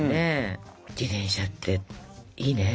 自転車っていいね。